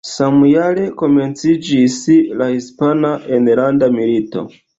Samjare komenciĝis la Hispana Enlanda Milito.